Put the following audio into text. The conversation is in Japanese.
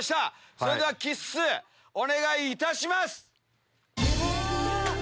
それではキッスお願いいたします！